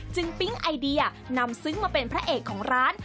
ปิ๊งไอเดียนำซึ้งมาเป็นพระเอกของร้าน